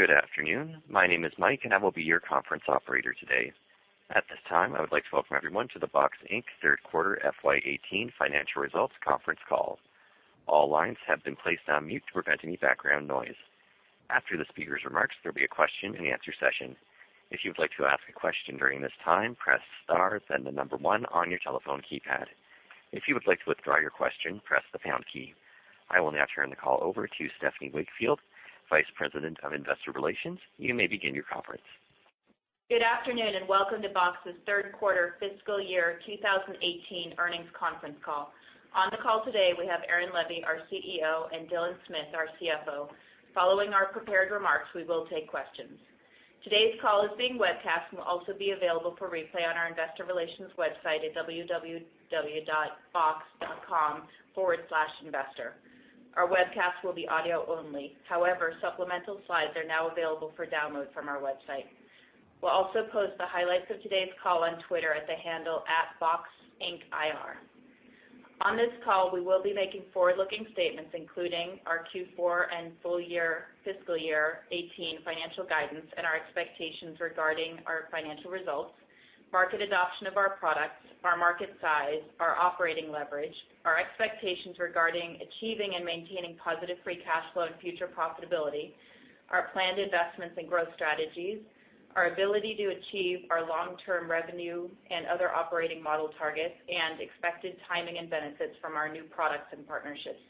Good afternoon. My name is Mike, and I will be your conference operator today. At this time, I would like to welcome everyone to the Box, Inc. Third Quarter FY 2018 Financial Results Conference Call. All lines have been placed on mute to prevent any background noise. After the speaker's remarks, there will be a question and answer session. If you would like to ask a question during this time, press star, then the number one on your telephone keypad. If you would like to withdraw your question, press the pound key. I will now turn the call over to Alice Lopatto, Vice President of Investor Relations. You may begin your conference. Good afternoon, and welcome to Box's third quarter fiscal year 2018 earnings conference call. On the call today, we have Aaron Levie, our CEO, and Dylan Smith, our CFO. Following our prepared remarks, we will take questions. Today's call is being webcast and will also be available for replay on our investor relations website at www.box.com/investors. Our webcast will be audio only. However, supplemental slides are now available for download from our website. We'll also post the highlights of today's call on Twitter at the handle @BoxIncIR. On this call, we will be making forward-looking statements, including our Q4 and full year fiscal year 2018 financial guidance and our expectations regarding our financial results, market adoption of our products, our market size, our operating leverage, our expectations regarding achieving and maintaining positive free cash flow and future profitability, our planned investments and growth strategies, our ability to achieve our long-term revenue and other operating model targets, and expected timing and benefits from our new products and partnerships.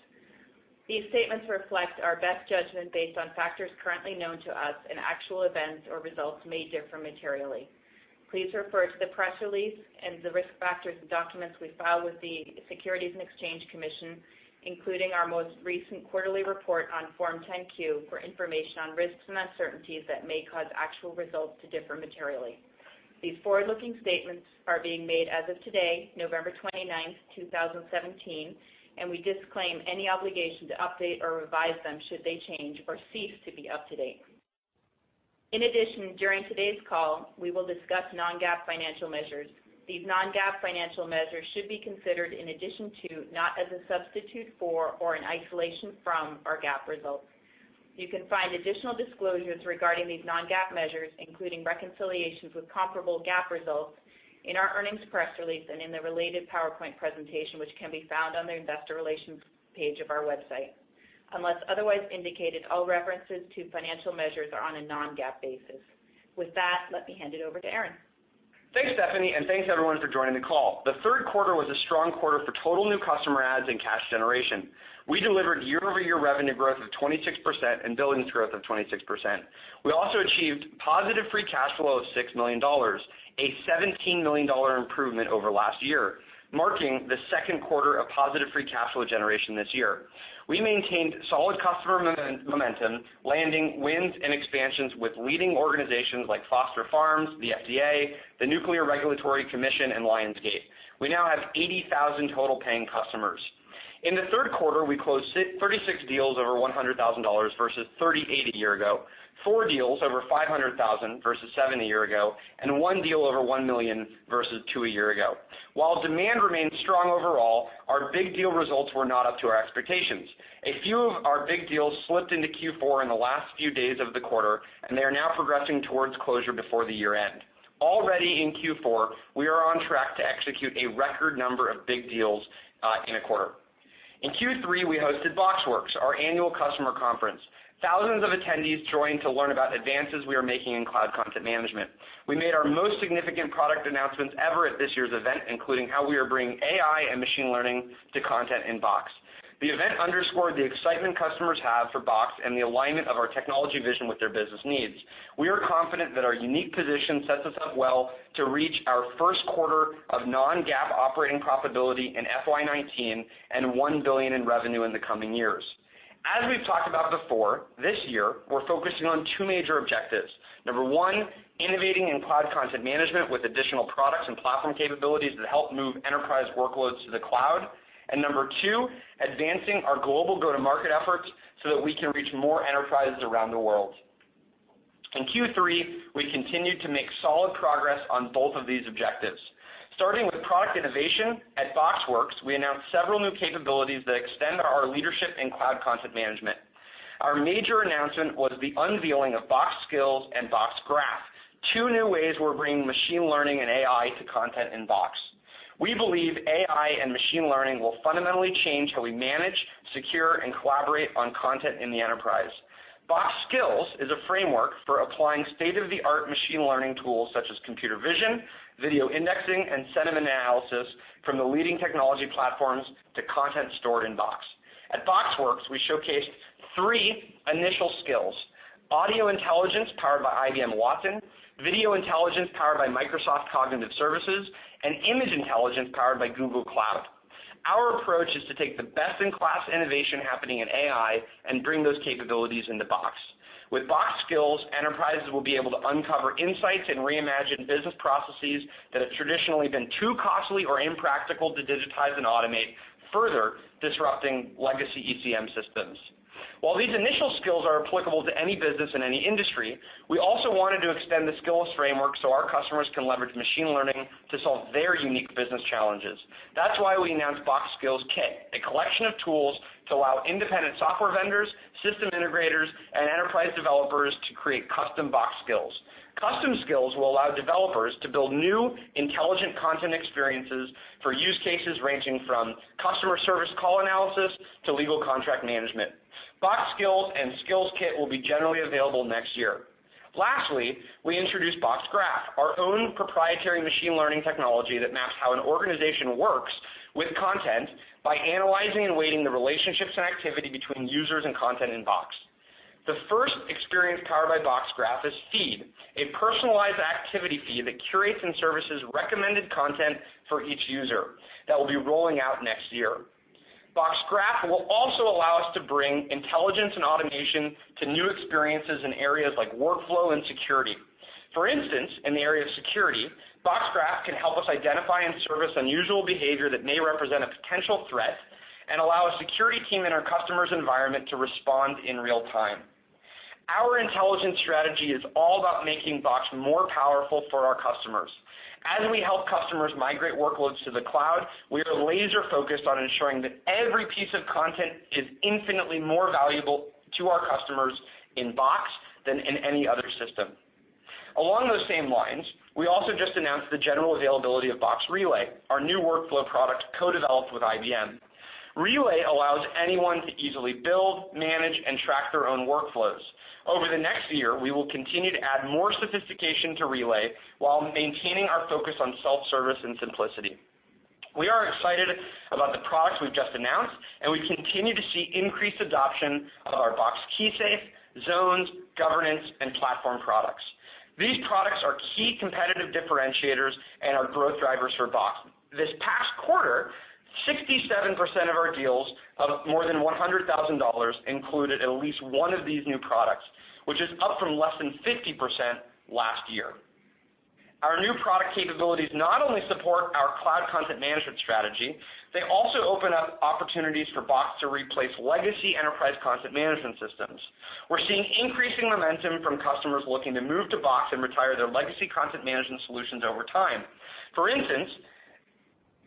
These statements reflect our best judgment based on factors currently known to us, and actual events or results may differ materially. Please refer to the press release and the risk factors and documents we file with the Securities and Exchange Commission, including our most recent quarterly report on Form 10-Q, for information on risks and uncertainties that may cause actual results to differ materially. These forward-looking statements are being made as of today, November 29th, 2017, and we disclaim any obligation to update or revise them should they change or cease to be up-to-date. In addition, during today's call, we will discuss non-GAAP financial measures. These non-GAAP financial measures should be considered in addition to, not as a substitute for or in isolation from, our GAAP results. You can find additional disclosures regarding these non-GAAP measures, including reconciliations with comparable GAAP results, in our earnings press release and in the related PowerPoint presentation, which can be found on the investor relations page of our website. Unless otherwise indicated, all references to financial measures are on a non-GAAP basis. With that, let me hand it over to Aaron. Thanks, Stephanie, and thanks everyone for joining the call. The third quarter was a strong quarter for total new customer adds and cash generation. We delivered year-over-year revenue growth of 26% and billings growth of 26%. We also achieved positive free cash flow of $6 million, a $17 million improvement over last year, marking the second quarter of positive free cash flow generation this year. We maintained solid customer momentum, landing wins and expansions with leading organizations like Foster Farms, the FDA, the Nuclear Regulatory Commission, and Lionsgate. We now have 80,000 total paying customers. In the third quarter, we closed 36 deals over $100,000 versus 38 a year ago, four deals over $500,000 versus seven a year ago, and one deal over $1 million versus two a year ago. While demand remains strong overall, our big deal results were not up to our expectations. A few of our big deals slipped into Q4 in the last few days of the quarter. They are now progressing towards closure before the year-end. Already in Q4, we are on track to execute a record number of big deals in a quarter. In Q3, we hosted BoxWorks, our annual customer conference. Thousands of attendees joined to learn about advances we are making in cloud content management. We made our most significant product announcements ever at this year's event, including how we are bringing AI and machine learning to content in Box. The event underscored the excitement customers have for Box and the alignment of our technology vision with their business needs. We are confident that our unique position sets us up well to reach our first quarter of non-GAAP operating profitability in FY 2019 and $1 billion in revenue in the coming years. As we've talked about before, this year, we're focusing on two major objectives. Number one, innovating in cloud content management with additional products and platform capabilities that help move enterprise workloads to the cloud. Number two, advancing our global go-to-market efforts so that we can reach more enterprises around the world. In Q3, we continued to make solid progress on both of these objectives. Starting with product innovation, at BoxWorks, we announced several new capabilities that extend our leadership in cloud content management. Our major announcement was the unveiling of Box Skills and Box Graph, two new ways we're bringing machine learning and AI to content in Box. We believe AI and machine learning will fundamentally change how we manage, secure, and collaborate on content in the enterprise. Box Skills is a framework for applying state-of-the-art machine learning tools such as computer vision, video indexing, and sentiment analysis from the leading technology platforms to content stored in Box. At BoxWorks, we showcased three initial skills: audio intelligence powered by IBM Watson, video intelligence powered by Microsoft Cognitive Services, and image intelligence powered by Google Cloud. Our approach is to take the best-in-class innovation happening in AI and bring those capabilities into Box. With Box Skills, enterprises will be able to uncover insights and reimagine business processes that have traditionally been too costly or impractical to digitize and automate, further disrupting legacy ECM systems. While these initial skills are applicable to any business in any industry, We also wanted to extend the Skills framework so our customers can leverage machine learning to solve their unique business challenges. That's why we announced Box Skills Kit, a collection of tools to allow independent software vendors, system integrators, and enterprise developers to create custom Box Skills. Custom skills will allow developers to build new intelligent content experiences for use cases ranging from customer service call analysis to legal contract management. Box Skills and Skills Kit will be generally available next year. Lastly, we introduced Box Graph, our own proprietary machine learning technology that maps how an organization works with content by analyzing and weighting the relationships and activity between users and content in Box. The first experience powered by Box Graph is Feed, a personalized activity feed that curates and services recommended content for each user that will be rolling out next year. Box Graph will also allow us to bring intelligence and automation to new experiences in areas like workflow and security. For instance, in the area of security, Box Graph can help us identify and service unusual behavior that may represent a potential threat and allow a security team in our customer's environment to respond in real time. Our intelligence strategy is all about making Box more powerful for our customers. As we help customers migrate workloads to the cloud, we are laser-focused on ensuring that every piece of content is infinitely more valuable to our customers in Box than in any other system. Along those same lines, we also just announced the general availability of Box Relay, our new workflow product co-developed with IBM. Relay allows anyone to easily build, manage, and track their own workflows. Over the next year, we will continue to add more sophistication to Relay while maintaining our focus on self-service and simplicity. We are excited about the products we've just announced. We continue to see increased adoption of our Box KeySafe, Zones, Governance, and Platform products. These products are key competitive differentiators and are growth drivers for Box. This past quarter, 67% of our deals of more than $100,000 included at least one of these new products, which is up from less than 50% last year. Our new product capabilities not only support our cloud content management strategy, they also open up opportunities for Box to replace legacy enterprise content management systems. We're seeing increasing momentum from customers looking to move to Box and retire their legacy content management solutions over time. For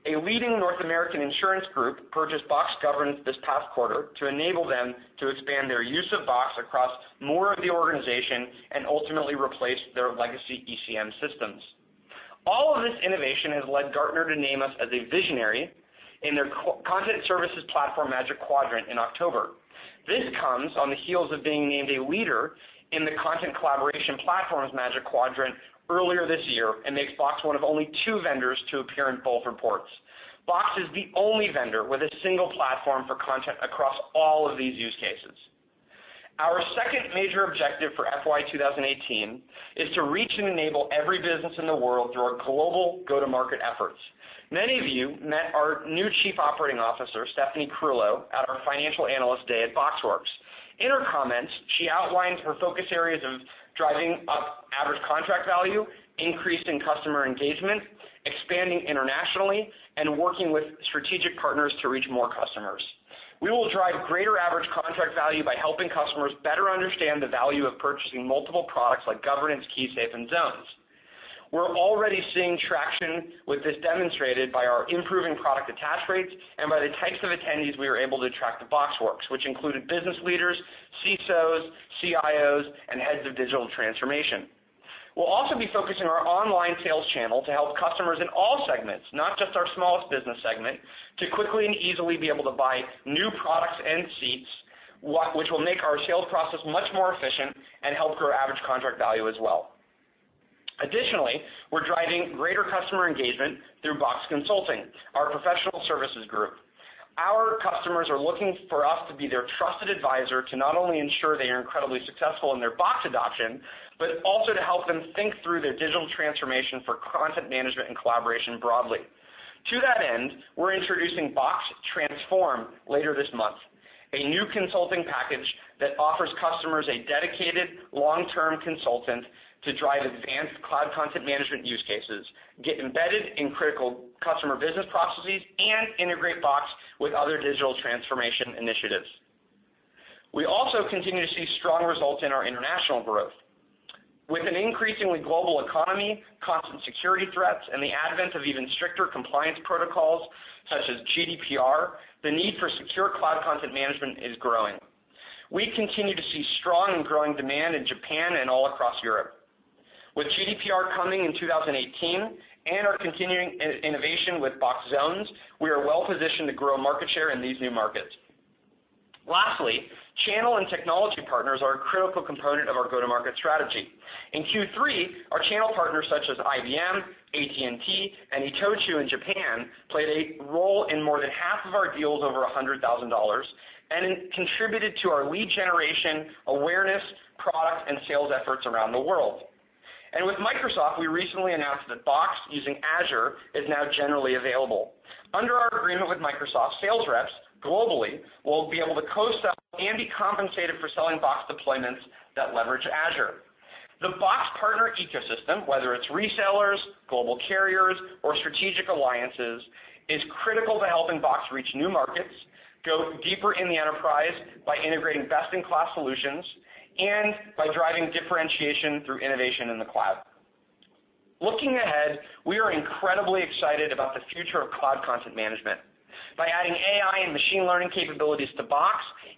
instance, a leading North American insurance group purchased Box Governance this past quarter to enable them to expand their use of Box across more of the organization and ultimately replace their legacy ECM systems. All of this innovation has led Gartner to name us as a visionary in their Magic Quadrant for Content Services Platforms in October. This comes on the heels of being named a leader in the Magic Quadrant for Content Collaboration Platforms earlier this year and makes Box one of only two vendors to appear in both reports. Box is the only vendor with a single platform for content across all of these use cases. Our second major objective for FY 2018 is to reach and enable every business in the world through our global go-to-market efforts. Many of you met our new Chief Operating Officer, Stephanie Carullo, at our Financial Analyst Day at BoxWorks. In her comments, she outlined her focus areas of driving up average contract value, increasing customer engagement, expanding internationally, and working with strategic partners to reach more customers. We will drive greater average contract value by helping customers better understand the value of purchasing multiple products like Governance, KeySafe, and Zones. We're already seeing traction with this demonstrated by our improving product attach rates and by the types of attendees we were able to attract to BoxWorks, which included business leaders, CISOs, CIOs, and heads of digital transformation. We'll also be focusing our online sales channel to help customers in all segments, not just our smallest business segment, to quickly and easily be able to buy new products and seats, which will make our sales process much more efficient and help grow average contract value as well. Additionally, we're driving greater customer engagement through Box Consulting, our professional services group. Our customers are looking for us to be their trusted advisor to not only ensure they are incredibly successful in their Box adoption, but also to help them think through their digital transformation for content management and collaboration broadly. To that end, we're introducing Box Transform later this month, a new consulting package that offers customers a dedicated long-term consultant to drive advanced cloud content management use cases, get embedded in critical customer business processes, and integrate Box with other digital transformation initiatives. We also continue to see strong results in our international growth. With an increasingly global economy, constant security threats, and the advent of even stricter compliance protocols such as GDPR, the need for secure cloud content management is growing. We continue to see strong and growing demand in Japan and all across Europe. With GDPR coming in 2018 and our continuing innovation with Box Zones, we are well positioned to grow market share in these new markets. In Q3, our channel partners such as IBM, AT&T, and Itochu in Japan, played a role in more than half of our deals over $100,000 and contributed to our lead generation, awareness, product, and sales efforts around the world. With Microsoft, we recently announced that Box using Azure is now generally available. Under our agreement with Microsoft sales reps globally, we'll be able to co-sell and be compensated for selling Box deployments that leverage Azure. The Box partner ecosystem, whether it's resellers, global carriers, or strategic alliances, is critical to helping Box reach new markets, go deeper in the enterprise by integrating best-in-class solutions, and by driving differentiation through innovation in the cloud. Looking ahead, we are incredibly excited about the future of cloud content management. By adding AI and machine learning capabilities to Box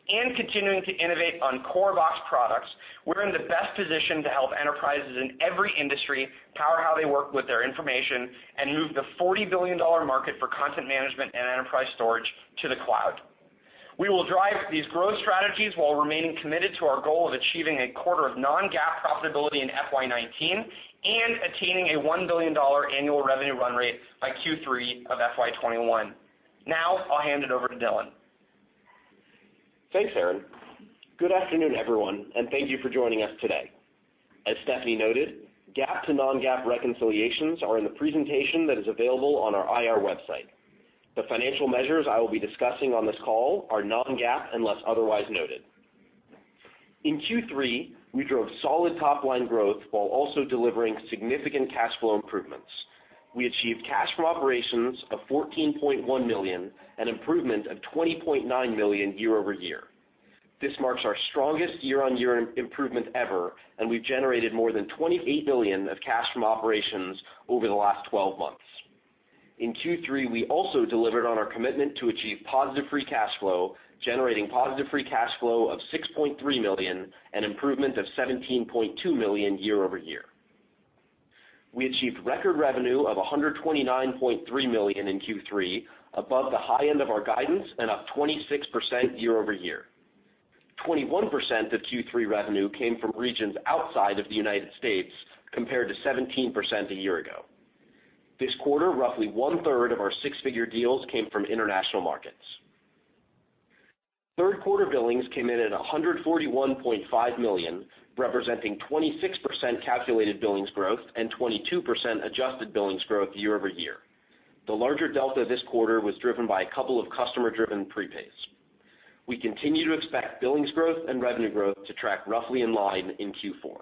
and continuing to innovate on core Box products, we're in the best position to help enterprises in every industry power how they work with their information and move the $40 billion market for content management and enterprise storage to the cloud. We will drive these growth strategies while remaining committed to our goal of achieving a quarter of non-GAAP profitability in FY 2019 and attaining a $1 billion annual revenue run rate by Q3 of FY 2021. Now, I'll hand it over to Dylan. Thanks, Aaron. Good afternoon, everyone, and thank you for joining us today. As Stephanie noted, GAAP to non-GAAP reconciliations are in the presentation that is available on our IR website. The financial measures I will be discussing on this call are non-GAAP unless otherwise noted. In Q3, we drove solid top-line growth while also delivering significant cash flow improvements. We achieved cash from operations of $14.1 million, an improvement of $20.9 million year-over-year. This marks our strongest year-on-year improvement ever, and we have generated more than $28 million of cash from operations over the last 12 months. In Q3, we also delivered on our commitment to achieve positive free cash flow, generating positive free cash flow of $6.3 million, an improvement of $17.2 million year-over-year. We achieved record revenue of $129.3 million in Q3, above the high end of our guidance and up 26% year-over-year. 21% of Q3 revenue came from regions outside of the United States, compared to 17% a year ago. This quarter, roughly one-third of our six-figure deals came from international markets. Third-quarter billings came in at $141.5 million, representing 26% calculated billings growth and 22% adjusted billings growth year-over-year. The larger delta this quarter was driven by a couple of customer-driven prepays. We continue to expect billings growth and revenue growth to track roughly in line in Q4.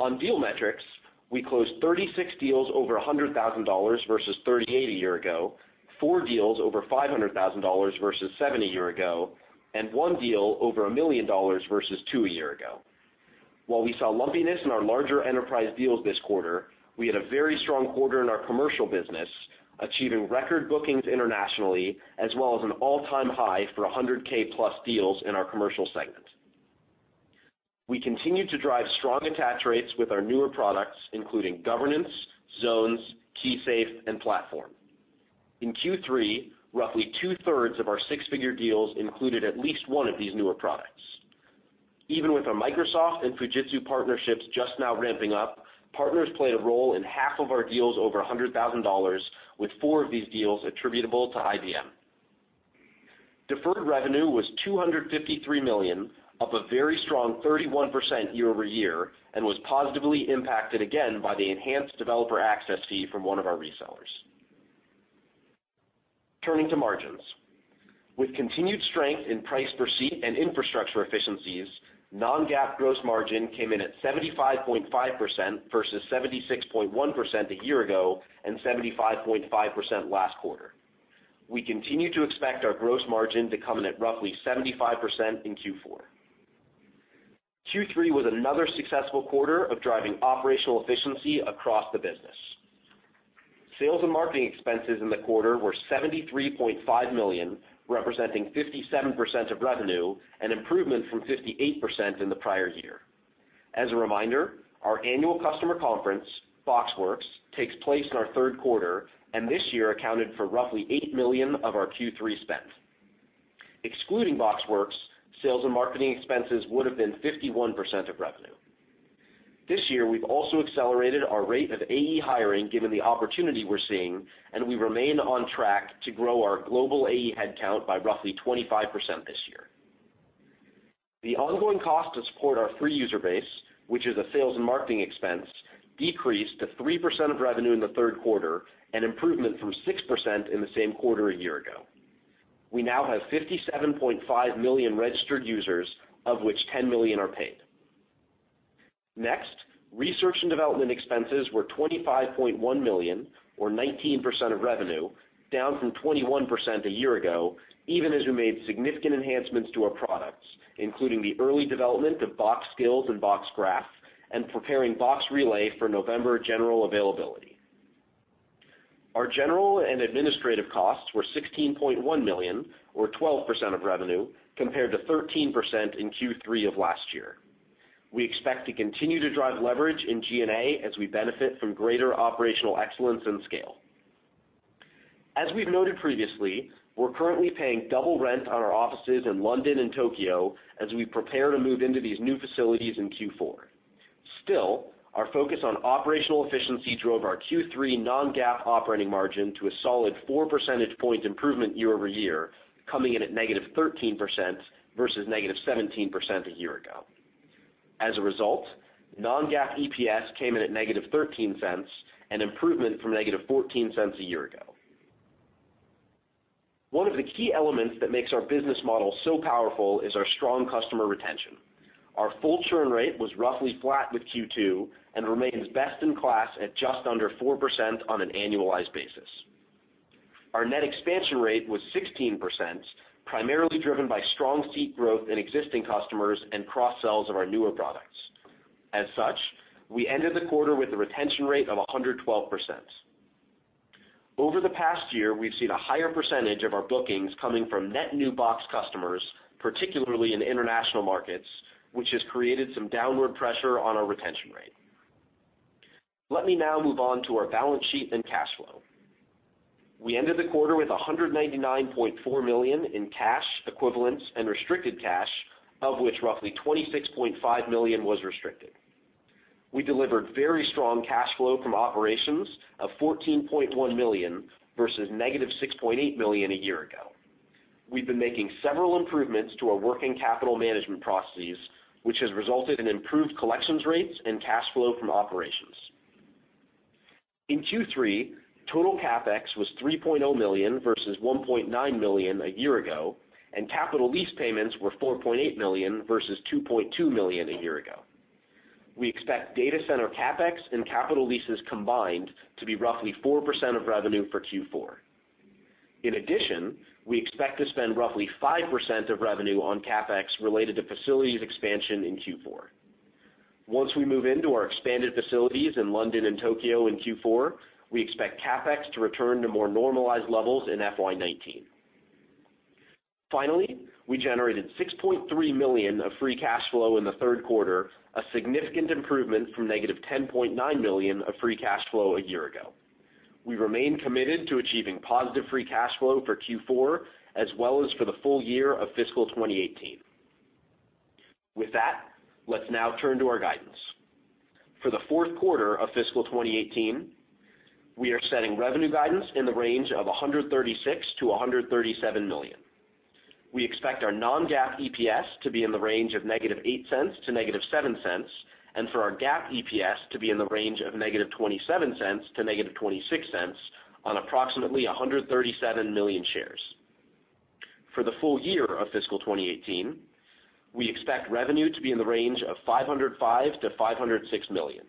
On deal metrics, we closed 36 deals over $100,000 versus 38 a year ago, four deals over $500,000 versus seven a year ago, and one deal over $1 million versus two a year ago. While we saw lumpiness in our larger enterprise deals this quarter, we had a very strong quarter in our commercial business, achieving record bookings internationally as well as an all-time high for 100K-plus deals in our commercial segment. We continue to drive strong attach rates with our newer products, including Governance, Zones, KeySafe, and Platform. In Q3, roughly two-thirds of our six-figure deals included at least one of these newer products. Even with our Microsoft and Fujitsu partnerships just now ramping up, partners played a role in half of our deals over $100,000, with four of these deals attributable to IBM. Deferred revenue was $253 million, up a very strong 31% year-over-year, and was positively impacted again by the enhanced developer access fee from one of our resellers. Turning to margins. With continued strength in price per seat and infrastructure efficiencies, non-GAAP gross margin came in at 75.5% versus 76.1% a year ago and 75.5% last quarter. We continue to expect our gross margin to come in at roughly 75% in Q4. Q3 was another successful quarter of driving operational efficiency across the business. Sales and marketing expenses in the quarter were $73.5 million, representing 57% of revenue, an improvement from 58% in the prior year. As a reminder, our annual customer conference, BoxWorks, takes place in our third quarter and this year accounted for roughly $8 million of our Q3 spend. Excluding BoxWorks, sales and marketing expenses would have been 51% of revenue. This year, we have also accelerated our rate of AE hiring given the opportunity we are seeing, and we remain on track to grow our global AE headcount by roughly 25% this year. The ongoing cost to support our free user base, which is a sales and marketing expense, decreased to 3% of revenue in the third quarter, an improvement from 6% in the same quarter a year ago. We now have 57.5 million registered users, of which 10 million are paid. Research and development expenses were $25.1 million or 19% of revenue, down from 21% a year ago, even as we made significant enhancements to our products, including the early development of Box Skills and Box Graph, and preparing Box Relay for November general availability. Our general and administrative costs were $16.1 million or 12% of revenue, compared to 13% in Q3 of last year. We expect to continue to drive leverage in G&A as we benefit from greater operational excellence and scale. As we've noted previously, we're currently paying double rent on our offices in London and Tokyo as we prepare to move into these new facilities in Q4. Our focus on operational efficiency drove our Q3 non-GAAP operating margin to a solid four percentage point improvement year-over-year, coming in at negative 13% versus negative 17% a year ago. Non-GAAP EPS came in at negative $0.13, an improvement from negative $0.14 a year ago. One of the key elements that makes our business model so powerful is our strong customer retention. Our full churn rate was roughly flat with Q2 and remains best in class at just under 4% on an annualized basis. Our net expansion rate was 16%, primarily driven by strong seat growth in existing customers and cross-sells of our newer products. We ended the quarter with a retention rate of 112%. Over the past year, we've seen a higher percentage of our bookings coming from net new Box customers, particularly in international markets, which has created some downward pressure on our retention rate. Let me now move on to our balance sheet and cash flow. We ended the quarter with $199.4 million in cash equivalents and restricted cash, of which roughly $26.5 million was restricted. We delivered very strong cash flow from operations of $14.1 million versus negative $6.8 million a year ago. We've been making several improvements to our working capital management processes, which has resulted in improved collections rates and cash flow from operations. In Q3, total CapEx was $3.0 million, versus $1.9 million a year ago, and capital lease payments were $4.8 million, versus $2.2 million a year ago. We expect data center CapEx and capital leases combined to be roughly 4% of revenue for Q4. We expect to spend roughly 5% of revenue on CapEx related to facilities expansion in Q4. Once we move into our expanded facilities in London and Tokyo in Q4, we expect CapEx to return to more normalized levels in FY 2019. We generated $6.3 million of free cash flow in the third quarter, a significant improvement from negative $10.9 million of free cash flow a year ago. We remain committed to achieving positive free cash flow for Q4, as well as for the full year of fiscal 2018. Let's now turn to our guidance. For the fourth quarter of fiscal 2018, we are setting revenue guidance in the range of $136 million-$137 million. We expect our non-GAAP EPS to be in the range of negative $0.08 to negative $0.07, and for our GAAP EPS to be in the range of negative $0.27 to negative $0.26 on approximately 137 million shares. For the full year of FY 2018, we expect revenue to be in the range of $505 million to $506 million.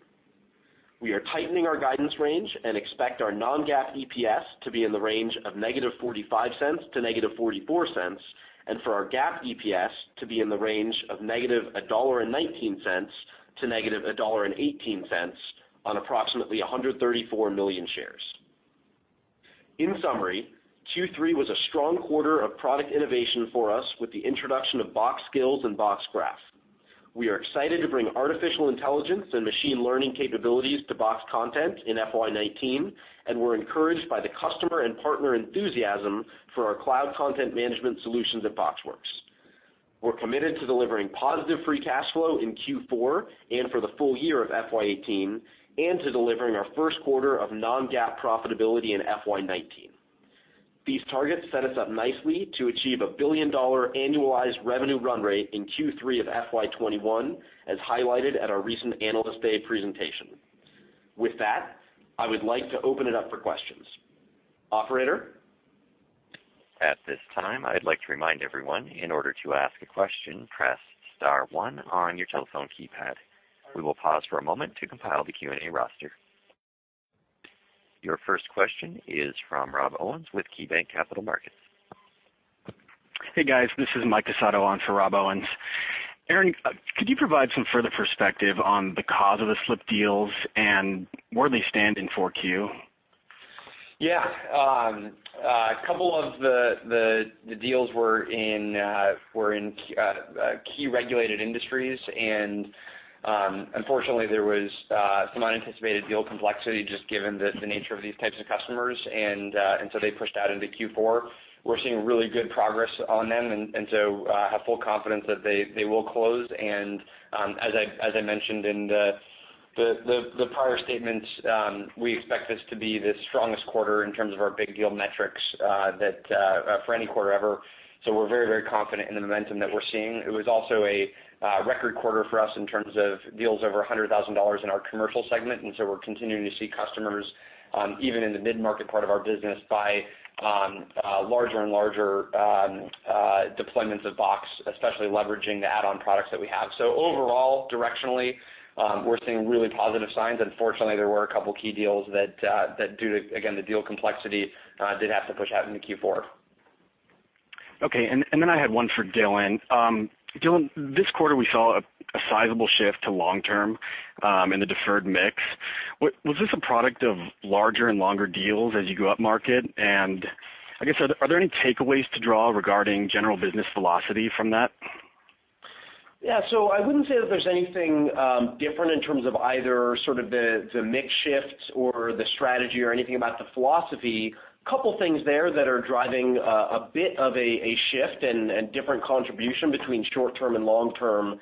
We are tightening our guidance range and expect our non-GAAP EPS to be in the range of negative $0.45 to negative $0.44, and for our GAAP EPS to be in the range of negative $1.19 to negative $1.18 on approximately 134 million shares. In summary, Q3 was a strong quarter of product innovation for us with the introduction of Box Skills and Box Graph. We are excited to bring artificial intelligence and machine learning capabilities to Box content in FY 2019. We're encouraged by the customer and partner enthusiasm for our cloud content management solutions at BoxWorks. We're committed to delivering positive free cash flow in Q4 and for the full year of FY 2018, to delivering our first quarter of non-GAAP profitability in FY 2019. These targets set us up nicely to achieve a billion-dollar annualized revenue run rate in Q3 of FY 2021, as highlighted at our recent Analyst Day presentation. With that, I would like to open it up for questions. Operator? At this time, I'd like to remind everyone, in order to ask a question, press *1 on your telephone keypad. We will pause for a moment to compile the Q&A roster. Your first question is from Rob Owens with KeyBanc Capital Markets. Hey, guys. This is Mike DeSoto on for Rob Owens. Aaron, could you provide some further perspective on the cause of the slipped deals, and where they stand in 4Q? Yeah. A couple of the deals were in key regulated industries. Unfortunately, there was some unanticipated deal complexity just given the nature of these types of customers. They pushed out into Q4. We're seeing really good progress on them, and I have full confidence that they will close. As I mentioned in the prior statements, we expect this to be the strongest quarter in terms of our big deal metrics for any quarter ever. We're very confident in the momentum that we're seeing. It was also a record quarter for us in terms of deals over $100,000 in our commercial segment, and we're continuing to see customers, even in the mid-market part of our business, buy larger and larger deployments of Box, especially leveraging the add-on products that we have. Overall, directionally, we're seeing really positive signs. Unfortunately, there were a couple key deals that due to, again, the deal complexity, did have to push out into Q4. Okay, I had one for Dylan. Dylan, this quarter we saw a sizable shift to long term in the deferred mix. Was this a product of larger and longer deals as you go up market? I guess, are there any takeaways to draw regarding general business philosophy from that? Yeah. I wouldn't say that there's anything different in terms of either sort of the mix shifts or the strategy or anything about the philosophy. Couple things there that are driving a bit of a shift and different contribution between short term and long term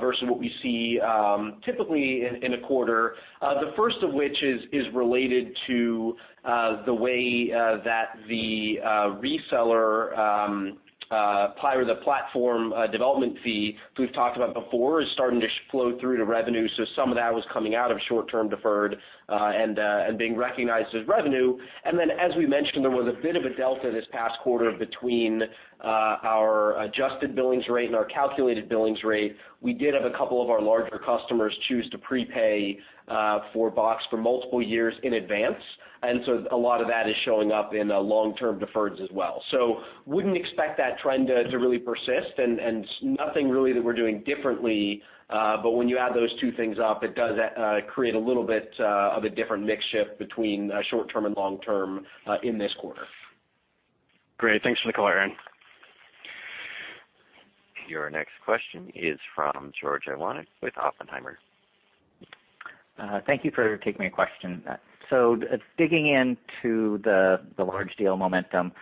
versus what we see typically in a quarter. The first of which is related to the way that the reseller, part of the platform development fee, who we've talked about before, is starting to flow through to revenue. Some of that was coming out of short-term deferred, and being recognized as revenue. As we mentioned, there was a bit of a delta this past quarter between our adjusted billings rate and our calculated billings rate. We did have a couple of our larger customers choose to prepay for Box for multiple years in advance, a lot of that is showing up in long-term deferreds as well. Wouldn't expect that trend to really persist, and nothing really that we're doing differently. When you add those two things up, it does create a little bit of a different mix shift between short term and long term in this quarter. Great. Thanks for the call, Aaron. Your next question is from George Iwanyc with Oppenheimer. Thank you for taking my question. Digging into the large deal momentum,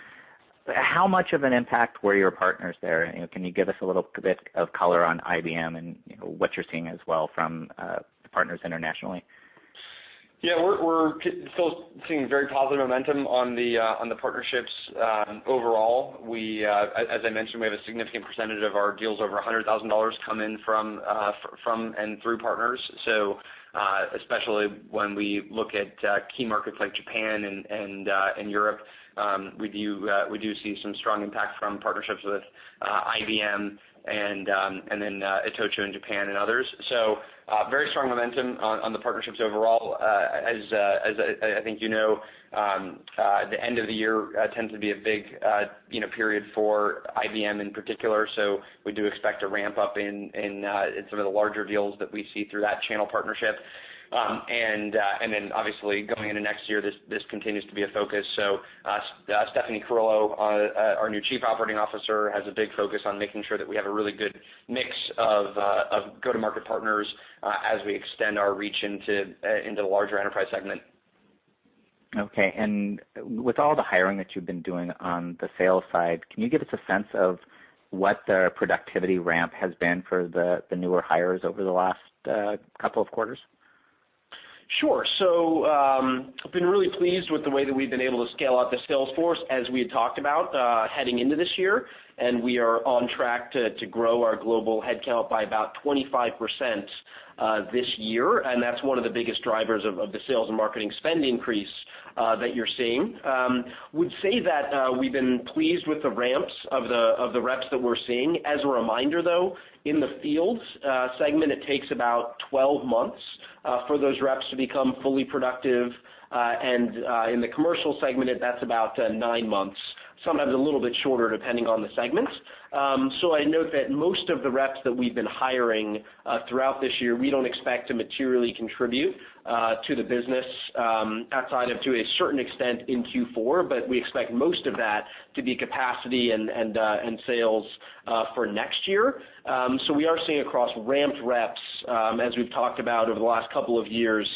how much of an impact were your partners there? Can you give us a little bit of color on IBM and what you're seeing as well from the partners internationally? Yeah. We're still seeing very positive momentum on the partnerships. Overall, as I mentioned, we have a significant percentage of our deals, over $100,000, come in from and through partners. Especially when we look at key markets like Japan and Europe, we do see some strong impact from partnerships with IBM and then Itochu in Japan and others. Very strong momentum on the partnerships overall. As I think you know, the end of the year tends to be a big period for IBM in particular. We do expect to ramp up in some of the larger deals that we see through that channel partnership. Obviously going into next year, this continues to be a focus. Stephanie Carullo, our new Chief Operating Officer, has a big focus on making sure that we have a really good mix of go-to-market partners as we extend our reach into the larger enterprise segment. Okay, with all the hiring that you've been doing on the sales side, can you give us a sense of what the productivity ramp has been for the newer hires over the last couple of quarters? Sure. I've been really pleased with the way that we've been able to scale out the sales force, as we had talked about heading into this year. We are on track to grow our global headcount by about 25% this year, and that's one of the biggest drivers of the sales and marketing spend increase that you're seeing. Would say that we've been pleased with the ramps of the reps that we're seeing. As a reminder, though, in the fields segment, it takes about 12 months for those reps to become fully productive. In the commercial segment, that's about nine months, sometimes a little bit shorter, depending on the segments. I note that most of the reps that we've been hiring throughout this year, we don't expect to materially contribute to the business outside of to a certain extent in Q4, we expect most of that to be capacity and sales for next year. We are seeing across ramped reps, as we've talked about over the last couple of years,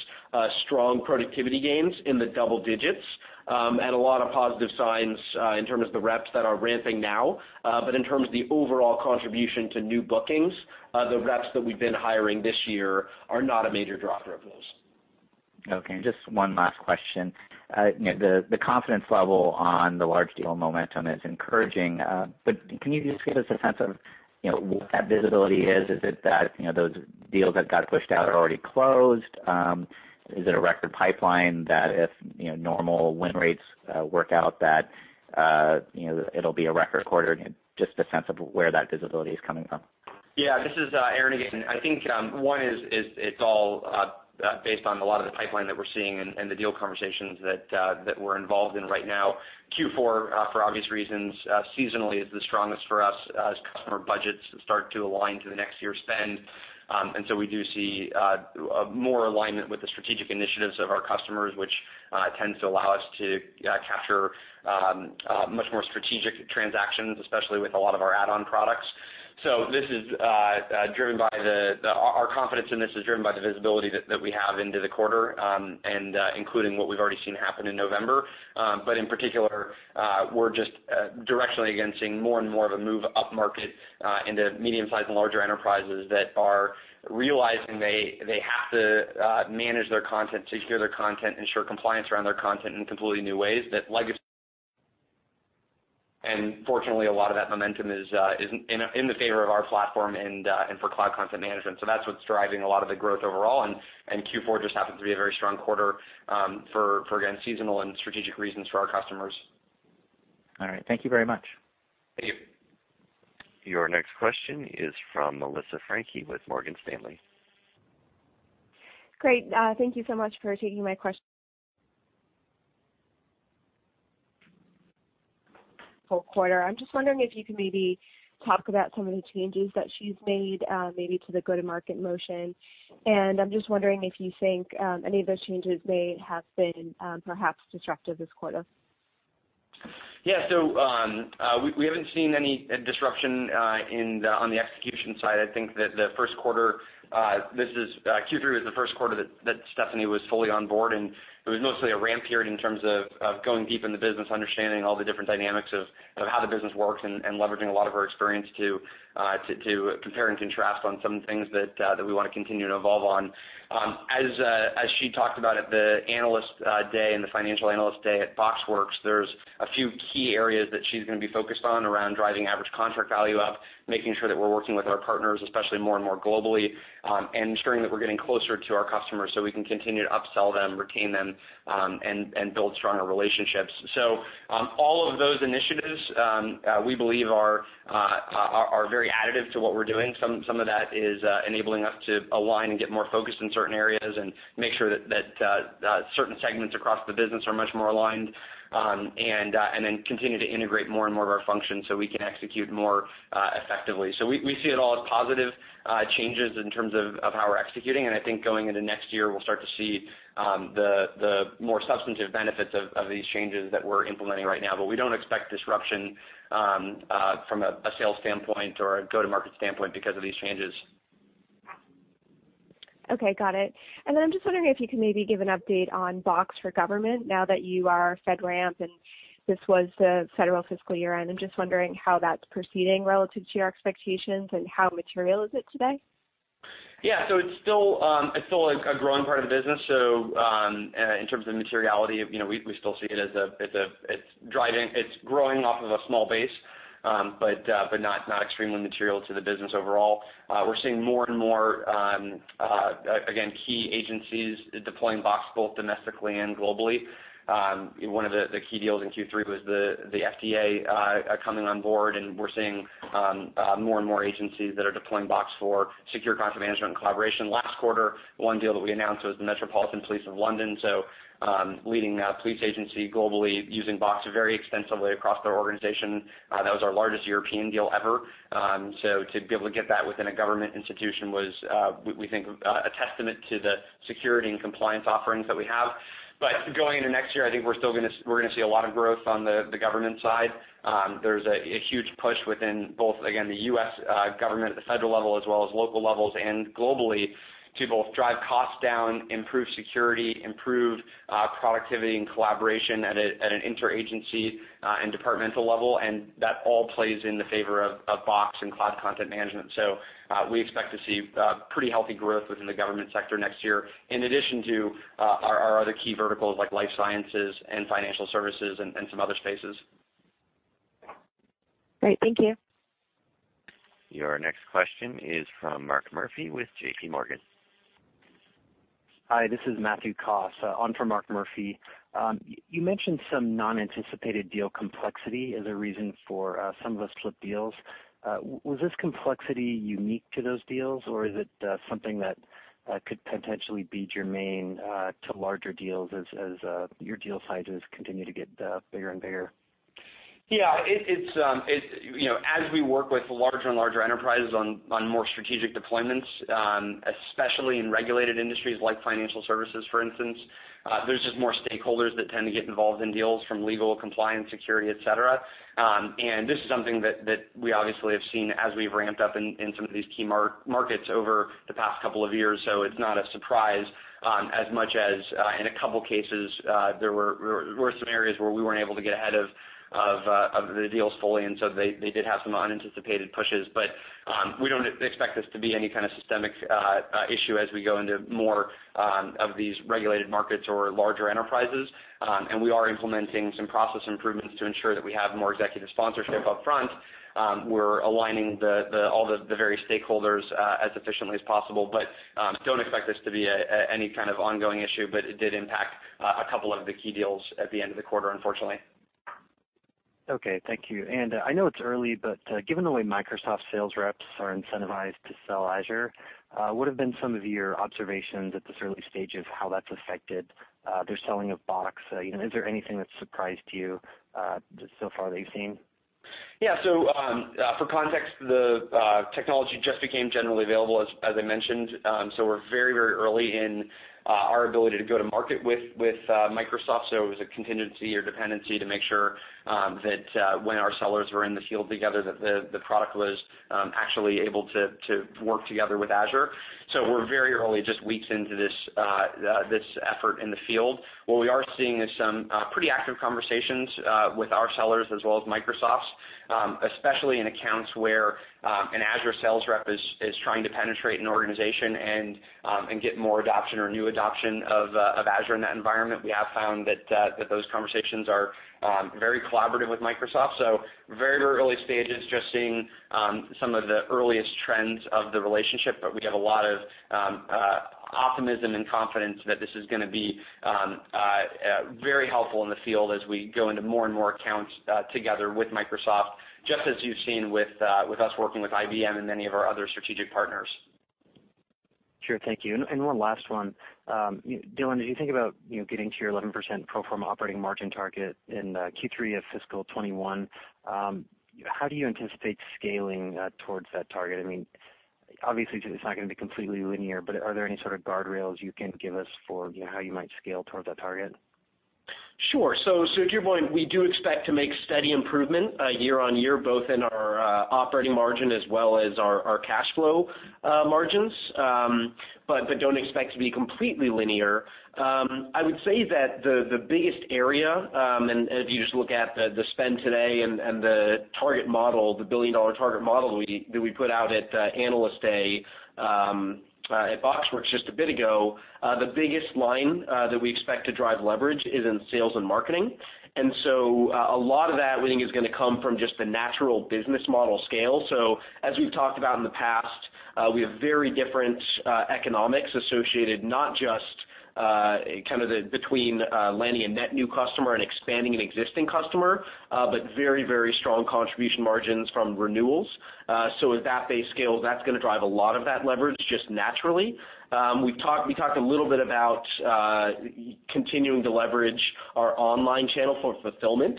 strong productivity gains in the double digits, and a lot of positive signs in terms of the reps that are ramping now. In terms of the overall contribution to new bookings, the reps that we've been hiring this year are not a major driver of those. Okay, just one last question. The confidence level on the large deal momentum is encouraging, but can you just give us a sense of what that visibility is? Is it that those deals that got pushed out are already closed? Is it a record pipeline that if normal win rates work out that it'll be a record quarter? Just a sense of where that visibility is coming from. Yeah. This is Aaron again. I think one is it's all based on a lot of the pipeline that we're seeing and the deal conversations that we're involved in right now. Q4, for obvious reasons, seasonally is the strongest for us as customer budgets start to align to the next year's spend. We do see more alignment with the strategic initiatives of our customers, which tends to allow us to capture much more strategic transactions, especially with a lot of our add-on products. Our confidence in this is driven by the visibility that we have into the quarter, and including what we've already seen happen in November. In particular, we're just directionally, again, seeing more and more of a move upmarket into medium-sized and larger enterprises that are realizing they have to manage their content, secure their content, ensure compliance around their content in completely new ways. Fortunately, a lot of that momentum is in the favor of our platform and for cloud content management. That's what's driving a lot of the growth overall. Q4 just happens to be a very strong quarter for, again, seasonal and strategic reasons for our customers. All right. Thank you very much. Thank you. Your next question is from Melissa Franchi with Morgan Stanley. Great. Thank you so much for taking my question whole quarter. I'm just wondering if you could maybe talk about some of the changes that she's made, maybe to the go-to-market motion. I'm just wondering if you think any of those changes may have been perhaps disruptive this quarter. Yeah. We haven't seen any disruption on the execution side. I think that Q3 was the first quarter that Stephanie was fully on board, and it was mostly a ramp period in terms of going deep in the business, understanding all the different dynamics of how the business works, and leveraging a lot of her experience to compare and contrast on some things that we want to continue to evolve on. As she talked about at the Analyst Day and the Financial Analyst Day at BoxWorks, there's a few key areas that she's going to be focused on around driving average contract value up, making sure that we're working with our partners, especially more and more globally, and ensuring that we're getting closer to our customers so we can continue to upsell them, retain them, and build stronger relationships. All of those initiatives, we believe are very additive to what we're doing. Some of that is enabling us to align and get more focused in certain areas and make sure that certain segments across the business are much more aligned. Then continue to integrate more and more of our functions so we can execute more effectively. We see it all as positive changes in terms of how we're executing, and I think going into next year, we'll start to see the more substantive benefits of these changes that we're implementing right now. We don't expect disruption from a sales standpoint or a go-to-market standpoint because of these changes. Okay, got it. I'm just wondering if you could maybe give an update on Box for Government now that you are FedRAMP, and this was the federal fiscal year-end. I'm just wondering how that's proceeding relative to your expectations and how material is it today? Yeah. It's still a growing part of the business. In terms of materiality, we still see it as growing off of a small base, but not extremely material to the business overall. We're seeing more and more, again, key agencies deploying Box both domestically and globally. One of the key deals in Q3 was the FDA coming on board, and we're seeing more and more agencies that are deploying Box for secure content management and collaboration. Last quarter, one deal that we announced was the Metropolitan Police of London, leading police agency globally, using Box very extensively across their organization. That was our largest European deal ever. To be able to get that within a government institution was, we think, a testament to the security and compliance offerings that we have. Going into next year, I think we're going to see a lot of growth on the government side. There's a huge push within both, again, the U.S. government at the federal level as well as local levels and globally to both drive costs down, improve security, improve productivity and collaboration at an inter-agency and departmental level, and that all plays in the favor of Box and cloud content management. We expect to see pretty healthy growth within the government sector next year, in addition to our other key verticals like life sciences and financial services and some other spaces. Great. Thank you. Your next question is from Mark Murphy with JPMorgan. Hi, this is Matt Coss on for Mark Murphy. You mentioned some non-anticipated deal complexity as a reason for some of the slipped deals. Was this complexity unique to those deals, or is it something that could potentially be germane to larger deals as your deal sizes continue to get bigger and bigger? Yeah. As we work with larger and larger enterprises on more strategic deployments, especially in regulated industries like financial services, for instance, there's just more stakeholders that tend to get involved in deals from legal, compliance, security, et cetera. This is something that we've obviously seen as we've ramped up in some of these key markets over the past couple of years. It's not a surprise as much as, in a couple cases, there were some areas where we weren't able to get ahead of the deals fully, and so they did have some unanticipated pushes. We don't expect this to be any kind of systemic issue as we go into more of these regulated markets or larger enterprises. We are implementing some process improvements to ensure that we have more executive sponsorship up front. We're aligning all the various stakeholders as efficiently as possible, but don't expect this to be any kind of ongoing issue. It did impact a couple of the key deals at the end of the quarter, unfortunately. Okay. Thank you. I know it's early, but given the way Microsoft sales reps are incentivized to sell Azure, what have been some of your observations at this early stage of how that's affected their selling of Box? Is there anything that's surprised you so far that you've seen? Yeah. For context, the technology just became generally available, as I mentioned. We're very early in our ability to go to market with Microsoft. It was a contingency or dependency to make sure that when our sellers were in the field together, that the product was actually able to work together with Azure. We're very early, just weeks into this effort in the field. What we are seeing is some pretty active conversations with our sellers as well as Microsoft's, especially in accounts where an Azure sales rep is trying to penetrate an organization and get more adoption or new adoption of Azure in that environment. We have found that those conversations are very collaborative with Microsoft. Very early stages, just seeing some of the earliest trends of the relationship, but we have a lot of optimism and confidence that this is going to be very helpful in the field as we go into more and more accounts together with Microsoft, just as you've seen with us working with IBM and many of our other strategic partners. Sure. Thank you. One last one. Dylan, as you think about getting to your 11% pro forma operating margin target in Q3 of fiscal 2021, how do you anticipate scaling towards that target? Obviously, it's not going to be completely linear, but are there any sort of guardrails you can give us for how you might scale towards that target? Sure. To your point, we do expect to make steady improvement year-on-year, both in our operating margin as well as our cash flow margins, but don't expect to be completely linear. I would say that the biggest area, and if you just look at the spend today and the billion-dollar target model that we put out at Analyst Day at BoxWorks just a bit ago, the biggest line that we expect to drive leverage is in sales and marketing. A lot of that, we think, is going to come from just the natural business model scale. As we've talked about in the past, we have very different economics associated, not just between landing a net new customer and expanding an existing customer, but very strong contribution margins from renewals. As that base scales, that's going to drive a lot of that leverage just naturally. We talked a little bit about continuing to leverage our online channel for fulfillment,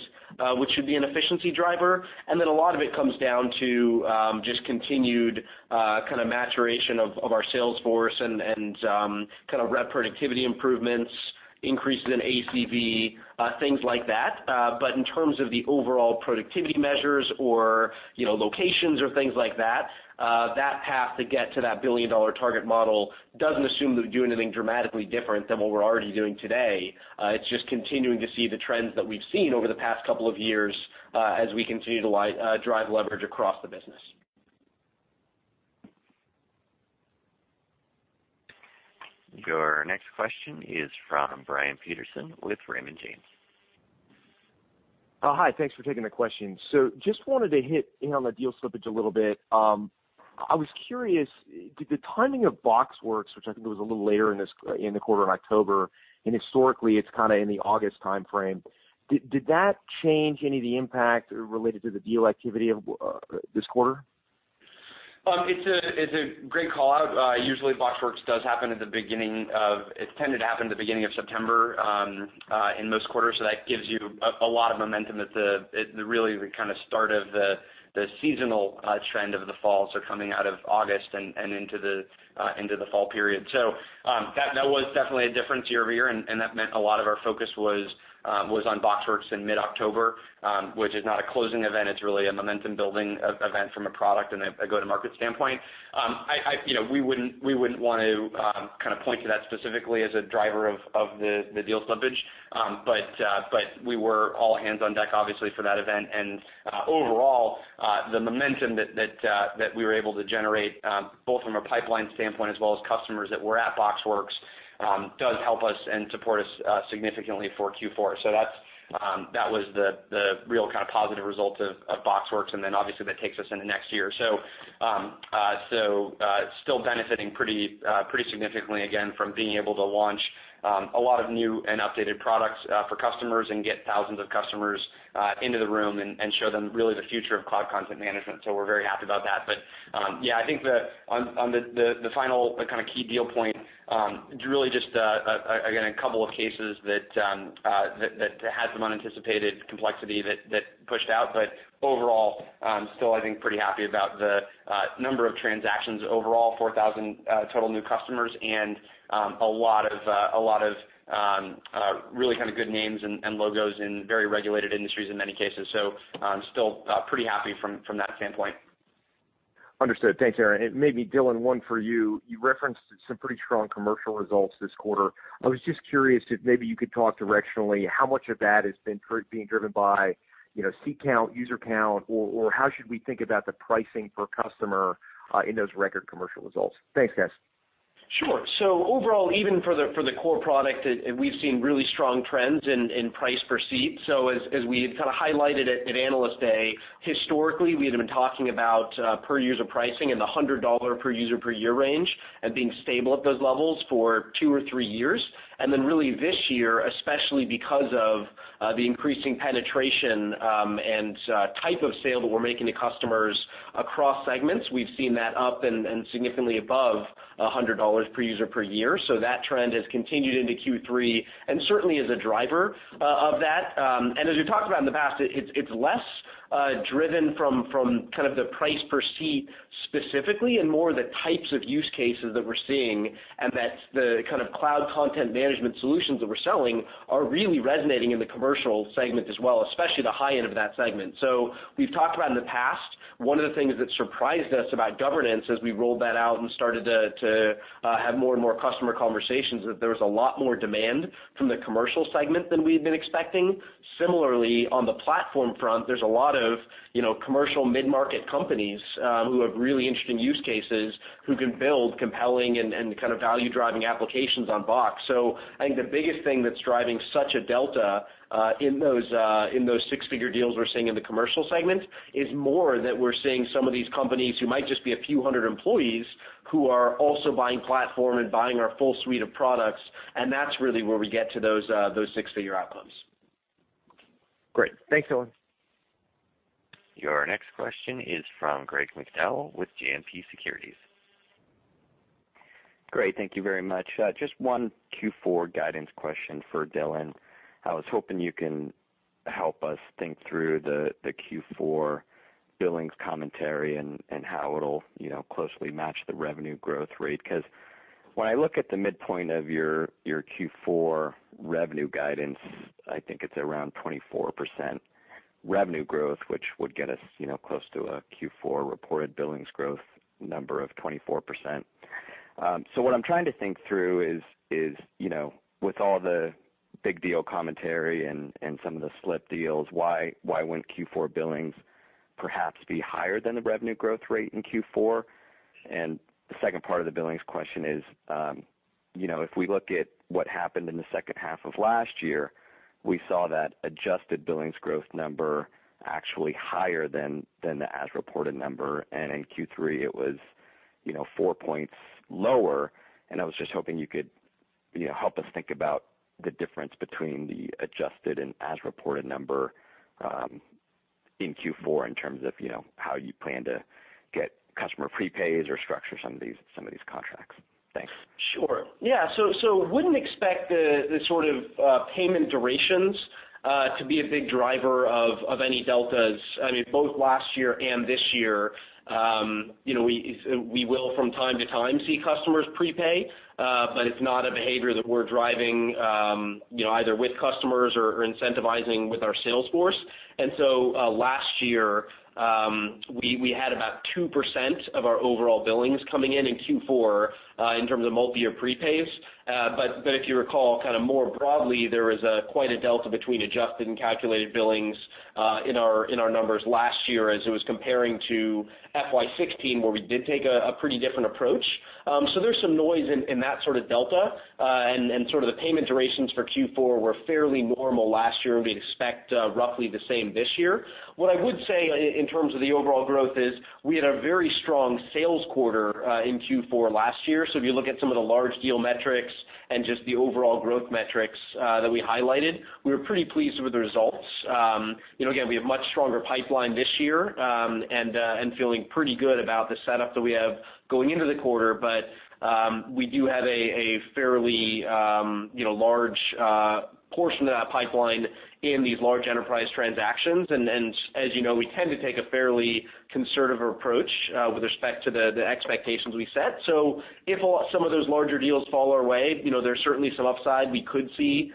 which should be an efficiency driver. A lot of it comes down to just continued maturation of our sales force and rep productivity improvements increases in ACV, things like that. But in terms of the overall productivity measures or locations or things like that path to get to that billion-dollar target model doesn't assume that we do anything dramatically different than what we're already doing today. It's just continuing to see the trends that we've seen over the past couple of years as we continue to drive leverage across the business. Your next question is from Brian Peterson with Raymond James. Hi. Thanks for taking the question. Just wanted to hit in on the deal slippage a little bit. I was curious, did the timing of BoxWorks, which I think was a little later in the quarter in October, and historically it's in the August timeframe, change any of the impact related to the deal activity of this quarter? It's a great call-out. It's tended to happen at the beginning of September in most quarters, that gives you a lot of momentum at the, really, the start of the seasonal trend of the fall, coming out of August and into the fall period. That was definitely a difference year-over-year, and that meant a lot of our focus was on BoxWorks in mid-October, which is not a closing event, it's really a momentum-building event from a product and a go-to-market standpoint. We wouldn't want to point to that specifically as a driver of the deal slippage. We were all hands on deck, obviously, for that event. Overall, the momentum that we were able to generate, both from a pipeline standpoint as well as customers that were at BoxWorks, does help us and support us significantly for Q4. That was the real positive result of BoxWorks, and then obviously that takes us into next year. Still benefiting pretty significantly again, from being able to launch a lot of new and updated products for customers and get thousands of customers into the room and show them really the future of cloud content management. We're very happy about that. Yeah, I think on the final key deal point, really just, again, a couple of cases that had some unanticipated complexity that pushed out. Overall, still, I think, pretty happy about the number of transactions overall, 4,000 total new customers and a lot of really good names and logos in very regulated industries in many cases. Still pretty happy from that standpoint. Understood. Thanks, Aaron. Maybe Dylan, one for you. You referenced some pretty strong commercial results this quarter. I was just curious if maybe you could talk directionally how much of that has been driven by seat count, user count, or how should we think about the pricing per customer in those record commercial results? Thanks, guys. Sure. Overall, even for the core product, we've seen really strong trends in price per seat. As we had highlighted at Analyst Day, historically, we had been talking about per user pricing in the $100 per user per year range and being stable at those levels for two or three years. Then really this year, especially because of the increasing penetration and type of sale that we're making to customers across segments, we've seen that up and significantly above $100 per user per year. That trend has continued into Q3 and certainly is a driver of that. As we've talked about in the past, it's less driven from the price per seat specifically and more the types of use cases that we're seeing, and that the kind of cloud content management solutions that we're selling are really resonating in the commercial segment as well, especially the high end of that segment. We've talked about in the past, one of the things that surprised us about governance as we rolled that out and started to have more and more customer conversations, that there was a lot more demand from the commercial segment than we had been expecting. Similarly, on the platform front, there's a lot of commercial mid-market companies who have really interesting use cases who can build compelling and value-driving applications on Box. I think the biggest thing that's driving such a delta, in those six-figure deals we're seeing in the commercial segment, is more that we're seeing some of these companies who might just be a few hundred employees who are also buying Box Platform and buying our full suite of products, and that's really where we get to those six-figure outcomes. Great. Thanks, Dylan. Your next question is from Greg McDowell with JMP Securities. Great. Thank you very much. Just one Q4 guidance question for Dylan. I was hoping you can help us think through the Q4 billings commentary and how it'll closely match the revenue growth rate. Because when I look at the midpoint of your Q4 revenue guidance, I think it's around 24% revenue growth, which would get us close to a Q4 reported billings growth number of 24%. What I'm trying to think through is, with all the big deal commentary and some of the slipped deals, why wouldn't Q4 billings perhaps be higher than the revenue growth rate in Q4? The second part of the billings question is, if we look at what happened in the second half of last year, we saw that adjusted billings growth number actually higher than the as-reported number, and in Q3 it was four points lower. I was just hoping you could help us think about the difference between the adjusted and as-reported number in Q4 in terms of how you plan to get customer prepays or structure some of these contracts. Thanks. Sure. Yeah, wouldn't expect the sort of payment durations to be a big driver of any deltas. Both last year and this year, we will from time to time see customers prepay, but it's not a behavior that we're driving, either with customers or incentivizing with our sales force. Last year, we had about 2% of our overall billings coming in in Q4, in terms of multi-year prepays. If you recall more broadly, there was quite a delta between adjusted and calculated billings in our numbers last year as it was comparing to FY 2016, where we did take a pretty different approach. There's some noise in that sort of delta, and the payment durations for Q4 were fairly normal last year, and we'd expect roughly the same this year. What I would say, in terms of the overall growth is, we had a very strong sales quarter in Q4 last year, if you look at some of the large deal metrics and just the overall growth metrics that we highlighted, we were pretty pleased with the results. Again, we have much stronger pipeline this year, and feeling pretty good about the setup that we have going into the quarter. We do have a fairly large portion of that pipeline in these large enterprise transactions, and as you know, we tend to take a fairly conservative approach with respect to the expectations we set. If some of those larger deals fall our way, there's certainly some upside. We could see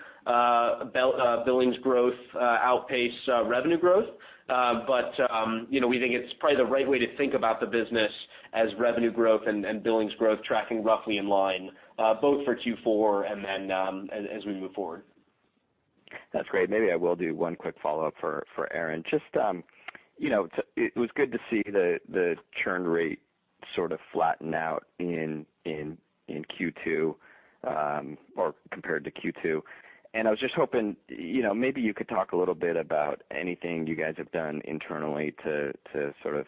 billings growth outpace revenue growth. We think it's probably the right way to think about the business as revenue growth and billings growth tracking roughly in line both for Q4 and as we move forward. That's great. Maybe I will do one quick follow-up for Aaron. It was good to see the churn rate sort of flatten out in Q2, or compared to Q2, and I was just hoping maybe you could talk a little bit about anything you guys have done internally to sort of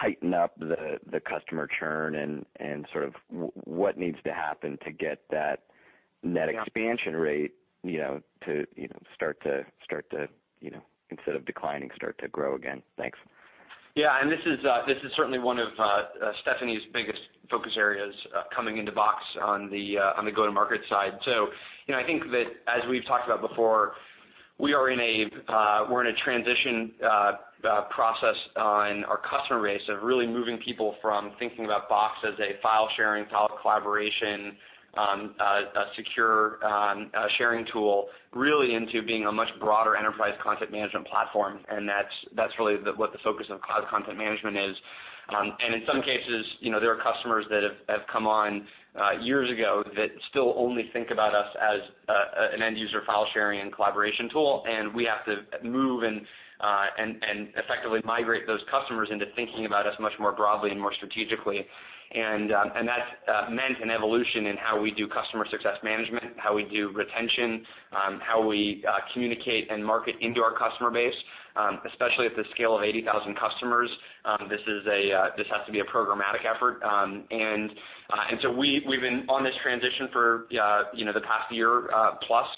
tighten up the customer churn, and what needs to happen to get that net expansion rate to, instead of declining, start to grow again. Thanks. Yeah. This is certainly one of Stephanie's biggest focus areas coming into Box on the go-to-market side. I think that as we've talked about before, we're in a transition process on our customer base of really moving people from thinking about Box as a file sharing, file collaboration, secure sharing tool, really into being a much broader enterprise content management platform. That's really what the focus of cloud content management is. In some cases, there are customers that have come on years ago that still only think about us as an end user file sharing and collaboration tool, and we have to move and effectively migrate those customers into thinking about us much more broadly and more strategically. That's meant an evolution in how we do customer success management, how we do retention, how we communicate and market into our customer base. Especially at the scale of 80,000 customers, this has to be a programmatic effort. So we've been on this transition for the past year plus,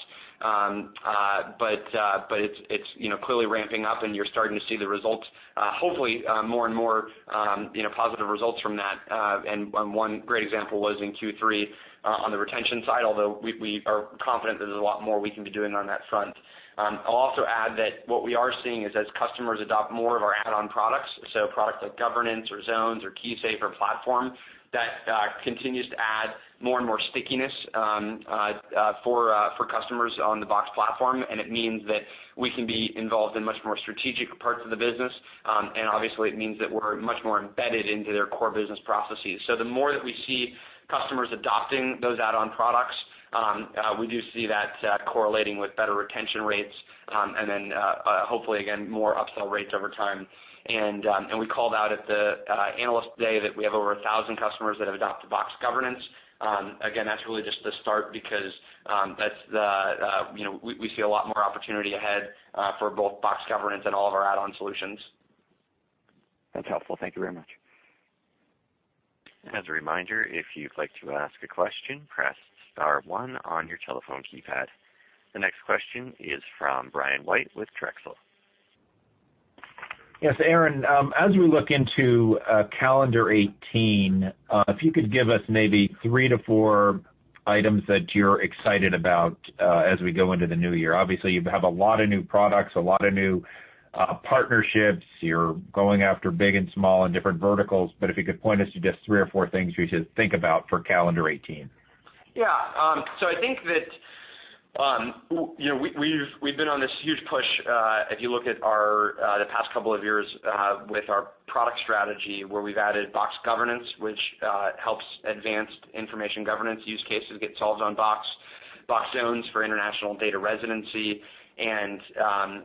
but it's clearly ramping up and you're starting to see the results. Hopefully, more and more positive results from that. One great example was in Q3 on the retention side, although we are confident there's a lot more we can be doing on that front. I'll also add that what we are seeing is as customers adopt more of our add-on products, so products like Governance or Zones or KeySafe or Platform, that continues to add more and more stickiness for customers on the Box platform. It means that we can be involved in much more strategic parts of the business. Obviously it means that we're much more embedded into their core business processes. The more that we see customers adopting those add-on products, we do see that correlating with better retention rates, and then, hopefully again, more upsell rates over time. We called out at the Analyst Day that we have over 1,000 customers that have adopted Box Governance. Again, that's really just the start because we see a lot more opportunity ahead for both Box Governance and all of our add-on solutions. That's helpful. Thank you very much. As a reminder, if you'd like to ask a question, press star one on your telephone keypad. The next question is from Brian White with Drexel. Yes, Aaron, as we look into calendar 2018, if you could give us maybe three to four items that you're excited about as we go into the new year. Obviously, you have a lot of new products, a lot of new partnerships. You're going after big and small and different verticals, but if you could point us to just three or four things we should think about for calendar 2018. Yeah. I think that we've been on this huge push, if you look at the past couple of years with our product strategy, where we've added Box Governance, which helps advanced information governance use cases get solved on Box. Box Zones for international data residency, and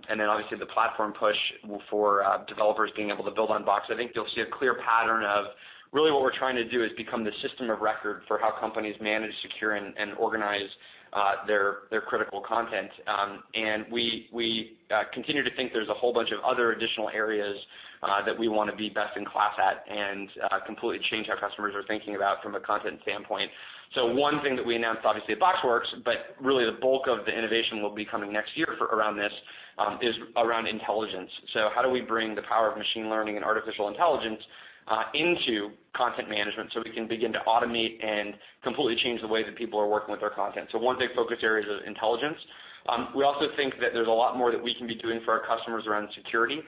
then obviously the platform push for developers being able to build on Box. I think you'll see a clear pattern of really what we're trying to do is become the system of record for how companies manage, secure, and organize their critical content. We continue to think there's a whole bunch of other additional areas that we want to be best in class at and completely change how customers are thinking about from a content standpoint. One thing that we announced, obviously at BoxWorks, but really the bulk of the innovation will be coming next year around this, is around intelligence. How do we bring the power of machine learning and artificial intelligence Into content management, we can begin to automate and completely change the way that people are working with their content. One big focus area is intelligence. We also think that there's a lot more that we can be doing for our customers around security.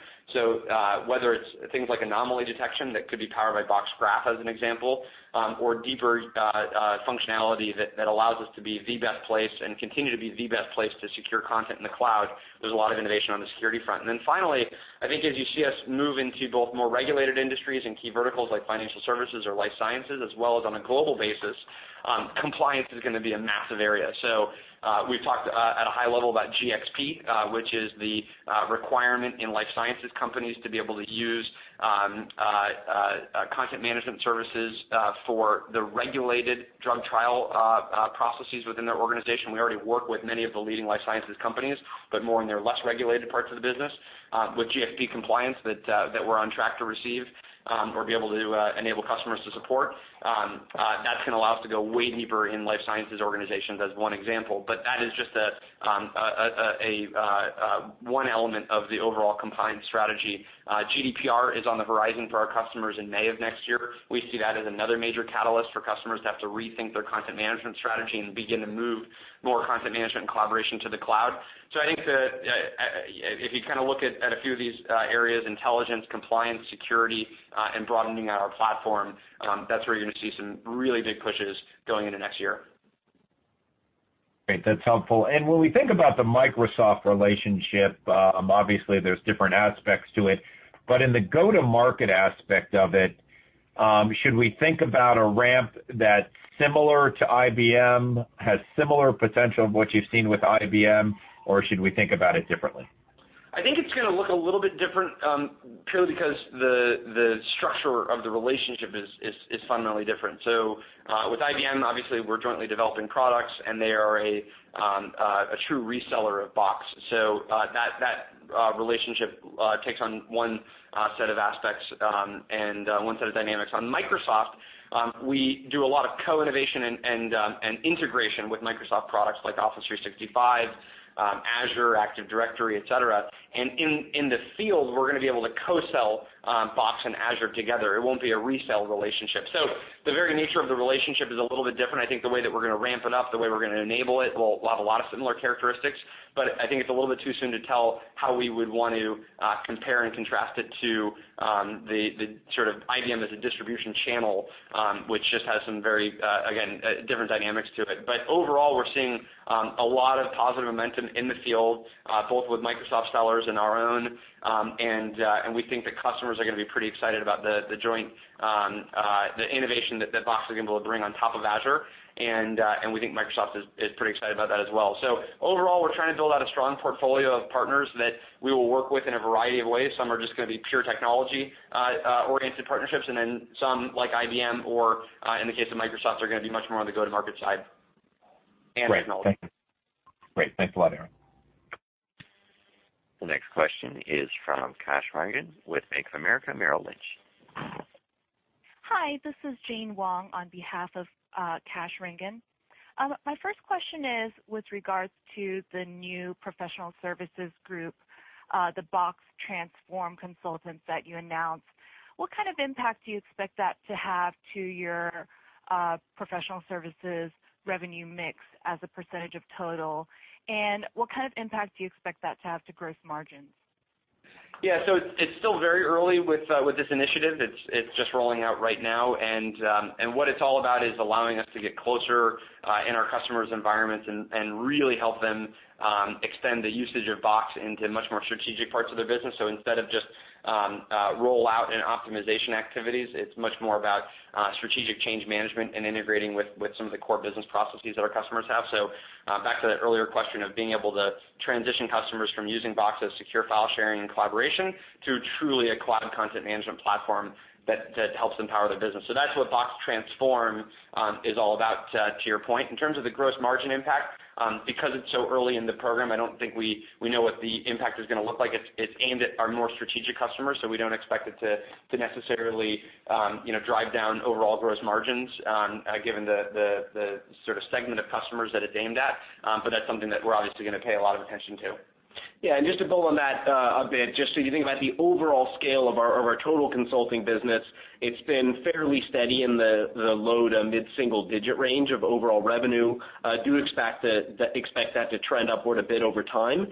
Whether it's things like anomaly detection that could be powered by Box Graph, as an example, or deeper functionality that allows us to be the best place and continue to be the best place to secure content in the cloud. There's a lot of innovation on the security front. Finally, I think as you see us move into both more regulated industries and key verticals like financial services or life sciences, as well as on a global basis, compliance is going to be a massive area. We've talked, at a high level about GxP, which is the requirement in life sciences companies to be able to use content management services for the regulated drug trial processes within their organization. We already work with many of the leading life sciences companies, but more in their less regulated parts of the business. With GxP compliance that we're on track to receive or be able to enable customers to support, that's going to allow us to go way deeper in life sciences organizations as one example. That is just one element of the overall compliance strategy. GDPR is on the horizon for our customers in May of next year. We see that as another major catalyst for customers to have to rethink their content management strategy and begin to move more content management and collaboration to the cloud. I think that if you look at a few of these areas, intelligence, compliance, security, and broadening out our platform, that's where you're going to see some really big pushes going into next year. Great. That's helpful. When we think about the Microsoft relationship, obviously, there's different aspects to it, but in the go-to-market aspect of it, should we think about a ramp that's similar to IBM, has similar potential of what you've seen with IBM, or should we think about it differently? I think it's going to look a little bit different, purely because the structure of the relationship is fundamentally different. With IBM, obviously, we're jointly developing products, and they are a true reseller of Box. That relationship takes on one set of aspects and one set of dynamics. On Microsoft, we do a lot of co-innovation and integration with Microsoft products like Office 365, Azure, Active Directory, et cetera. In the field, we're going to be able to co-sell Box and Azure together. It won't be a resale relationship. The very nature of the relationship is a little bit different. I think the way that we're going to ramp it up, the way we're going to enable it, will have a lot of similar characteristics, but I think it's a little bit too soon to tell how we would want to compare and contrast it to the IBM as a distribution channel, which just has some very, again, different dynamics to it. Overall, we're seeing a lot of positive momentum in the field, both with Microsoft sellers and our own, and we think that customers are going to be pretty excited about the innovation that Box is going to be able to bring on top of Azure. We think Microsoft is pretty excited about that as well. Overall, we're trying to build out a strong portfolio of partners that we will work with in a variety of ways. Some are just going to be pure technology-oriented partnerships, and then some, like IBM or, in the case of Microsoft, are going to be much more on the go-to-market side and technology. Great. Thank you. Great. Thanks a lot, Aaron. The next question is from Kash Rangan with Bank of America Merrill Lynch. Hi, this is Jane Lee on behalf of Kash Rangan. My first question is with regards to the new professional services group, the Box Transform consultants that you announced. What kind of impact do you expect that to have to your professional services revenue mix as a percentage of total, and what kind of impact do you expect that to have to gross margins? Yeah. It's still very early with this initiative. It's just rolling out right now, and what it's all about is allowing us to get closer in our customers' environments and really help them extend the usage of Box into much more strategic parts of their business. Instead of just rollout and optimization activities, it's much more about strategic change management and integrating with some of the core business processes that our customers have. Back to that earlier question of being able to transition customers from using Box as secure file sharing and collaboration to truly a cloud content management platform that helps empower their business. That's what Box Transform is all about, to your point. In terms of the gross margin impact, because it's so early in the program, I don't think we know what the impact is going to look like. It's aimed at our more strategic customers. We don't expect it to necessarily drive down overall gross margins given the sort of segment of customers that it's aimed at. That's something that we're obviously going to pay a lot of attention to. To build on that a bit, to think about the overall scale of our total consulting business, it's been fairly steady in the low to mid-single-digit range of overall revenue. Do expect that to trend upward a bit over time.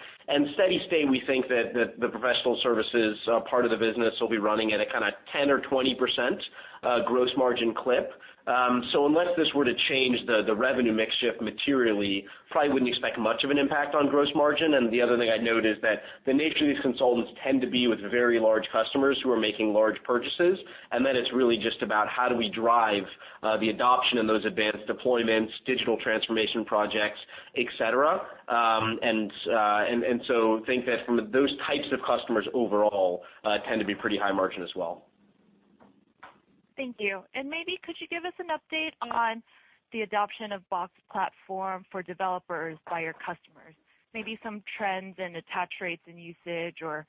Steady state, we think that the professional services part of the business will be running at a kind of 10% or 20% gross margin clip. Unless this were to change the revenue mix shift materially, probably wouldn't expect much of an impact on gross margin. The other thing I'd note is that the nature of these consultants tend to be with very large customers who are making large purchases, and then it's really just about how do we drive the adoption of those advanced deployments, digital transformation projects, et cetera. Think that from those types of customers overall tend to be pretty high margin as well. Thank you. Maybe could you give us an update on the adoption of Box Platform for developers by your customers? Maybe some trends and attach rates and usage or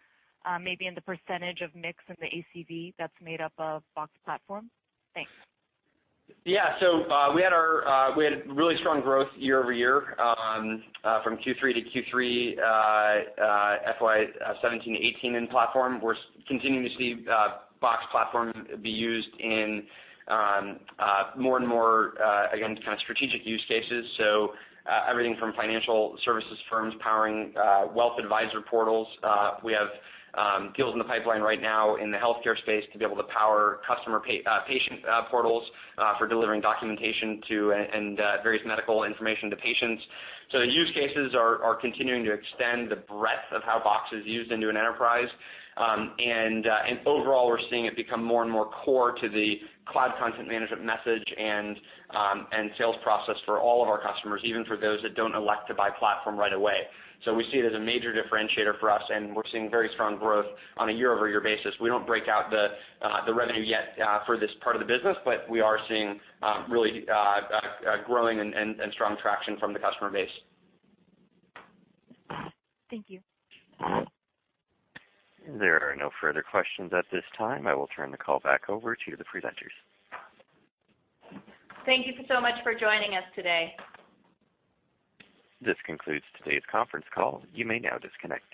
maybe in the percentage of mix in the ACV that's made up of Box Platform. Thanks. We had really strong growth year-over-year from Q3 to Q3 FY 2017 to 2018 in Box Platform. We're continuing to see Box Platform be used in more and more, again, kind of strategic use cases. Everything from financial services firms powering wealth advisor portals. We have deals in the pipeline right now in the healthcare space to be able to power patient portals for delivering documentation and various medical information to patients. The use cases are continuing to extend the breadth of how Box is used into an enterprise. Overall, we're seeing it become more and more core to the cloud content management message and sales process for all of our customers, even for those that don't elect to buy Box Platform right away. We see it as a major differentiator for us, and we're seeing very strong growth on a year-over-year basis. We don't break out the revenue yet for this part of the business, we are seeing really growing and strong traction from the customer base. Thank you. There are no further questions at this time. I will turn the call back over to the presenters. Thank you so much for joining us today. This concludes today's conference call. You may now disconnect.